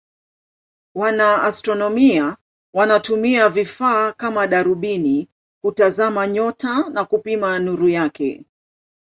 Wanaastronomia wanatumia vifaa kama darubini kutazama nyota na kupima nuru yake.